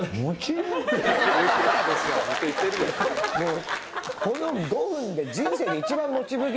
もう。